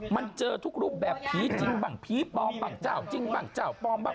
มันเจอทุกรูปแบบผีจริงบ้างผีปลอมบ้างเจ้าจริงบ้างเจ้าปลอมบ้าง